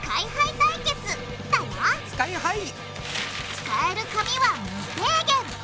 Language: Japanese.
使える紙は無制限！